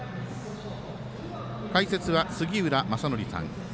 解説は杉浦正則さん。